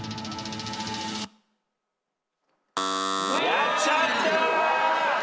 やっちゃった！